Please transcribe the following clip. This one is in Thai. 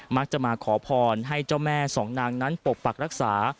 มักจะมาขอพรให้เจ้าแม่สองนางนั้นปกปักรักษา